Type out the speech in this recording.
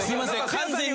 完全に今。